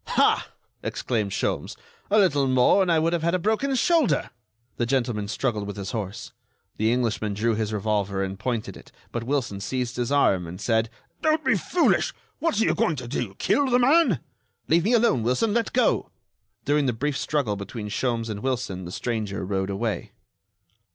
"Ha!" exclaimed Sholmes, "a little more and I would have had a broken shoulder." The gentleman struggled with his horse. The Englishman drew his revolver and pointed it; but Wilson seized his arm, and said: "Don't be foolish! What are you going to do? Kill the man?" "Leave me alone, Wilson! Let go!" During the brief struggle between Sholmes and Wilson the stranger rode away.